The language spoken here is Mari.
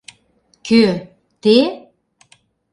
Кӧ — «те»?